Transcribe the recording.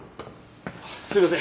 すいません。